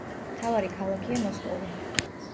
მთავარი ქალაქია მოსკოვი.